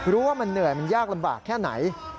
ว่ามันเหนื่อยมันยากลำบากแค่ไหน